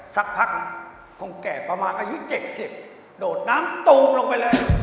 สักพักคงแก่ประมาณอายุ๗๐โดดน้ำตูมลงไปเลย